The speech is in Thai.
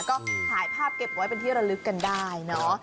ก็ถ่ายภาพเก็บไว้เป็นที่ระลึกกันได้เนอะ